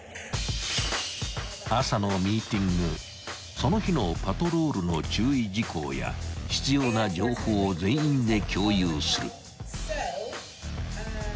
［その日のパトロールの注意事項や必要な情報を全員で共有する］